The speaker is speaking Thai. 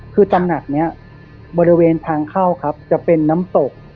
คือตำหนักนี้บริเวณทางเข้าครับจะเป็นน้ำตก